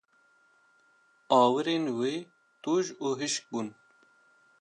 Awirên wê tûj û hişk bûn.